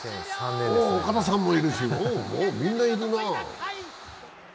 岡田さんもいるし、みんな、いるなあ。